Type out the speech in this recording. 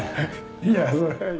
「いやそれは」